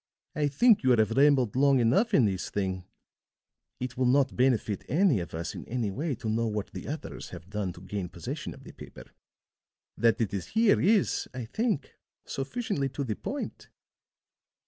"I think you have rambled long enough in this thing. It will not benefit any of us in any way to know what the others have done to gain possession of the paper. That it is here is, I think, sufficiently to the point."